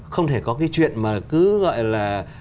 không thể có cái chuyện mà cứ gọi là